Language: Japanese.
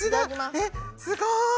えっすごい。